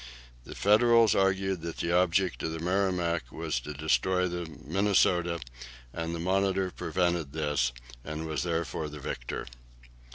The Federals argued that the object of the "Merrimac" was to destroy the "Minnesota," and the "Monitor" had prevented this, and was therefore the victor.